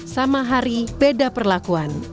sama hari beda perlakuan